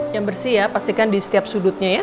yang bersih ya pastikan di setiap sudutnya ya